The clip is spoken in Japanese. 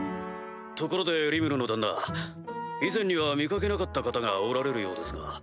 ところでリムルの旦那以前には見掛けなかった方がおられるようですが。